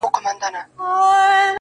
لټ پر لټ اوړمه د شپې، هغه چي بيا ياديږي.